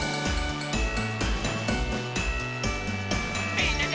みんなで。